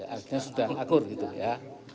artinya sudah ngakur gitu ya